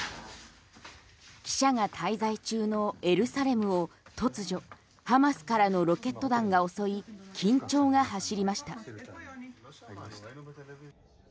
記者が滞在中のエルサレムを突如ハマスからのロケット弾が襲い緊張が走りました。